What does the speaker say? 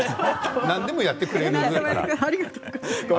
何でもやってくれるから。